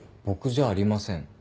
僕じゃありません。